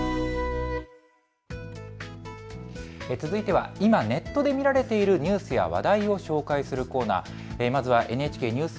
続いては今、ネットで見られているニュースや話題を紹介するコーナー。